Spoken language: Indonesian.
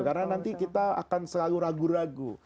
karena nanti kita akan selalu ragu ragu